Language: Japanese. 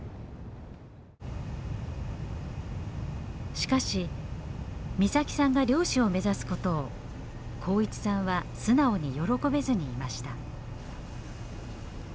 しかし岬さんが漁師を目指すことを幸一さんは素直に喜べずにいました。